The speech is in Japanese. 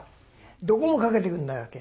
どこもかけてくんないわけ。